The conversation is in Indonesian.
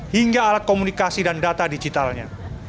hingga alat komunikasi dan data digitalnya